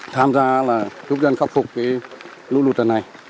tham gia là giúp dân khắc phục lũ lụt lần này